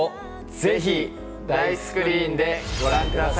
ぜひ大スクリーンでご覧ください！